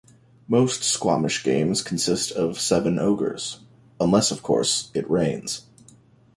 Most squamish games consist of seven Ogres, unless of course, it rains.